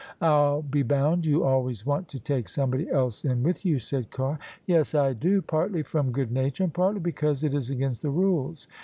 " I'll be bound you alwasrs want to take somebody else in with you," said Carr. " Yes, I do : partly from good nature and partly because It IS against the rules.